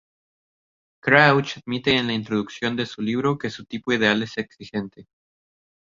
Crouch admite en la introducción de su libro que su tipo ideal es exigente.